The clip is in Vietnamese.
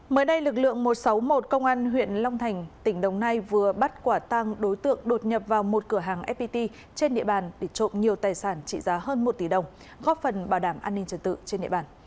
mới đây lực lượng một trăm sáu mươi một công an huyện long thành tỉnh đồng nai vừa bắt quả tăng đối tượng đột nhập vào một cửa hàng fpt trên địa bàn để trộm nhiều tài sản trị giá hơn một tỷ đồng góp phần bảo đảm an ninh trật tự trên địa bàn